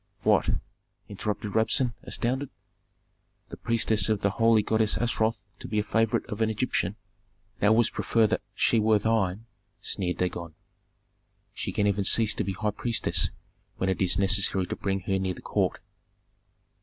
"What?" interrupted Rabsun, astounded. "The priestess of the holy goddess Astaroth to be a favorite of an Egyptian?" "Thou wouldst prefer that she were thine," sneered Dagon. "She can even cease to be high priestess when it is necessary to bring her near the court."